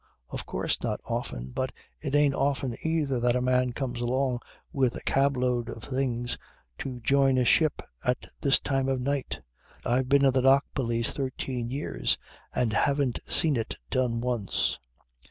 Of course not often. But it ain't often either that a man comes along with a cabload of things to join a ship at this time of night. I've been in the dock police thirteen years and haven't seen it done once."